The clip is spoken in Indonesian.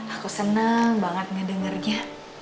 aku senang banget ngedengernya